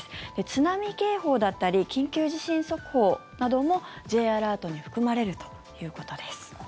津波警報だったり緊急地震速報などもＪアラートに含まれるということです。